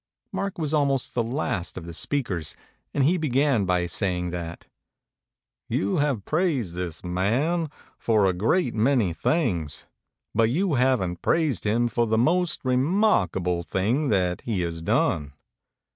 Mark was almost the last of the speakers, and he began by saying that "You have praised this man for a great many things but you haven't praised him for the most re markable thing that he has done."